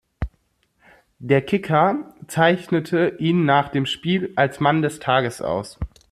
Der Kicker zeichnete ihn nach dem Spiel als "Mann des Tages" aus.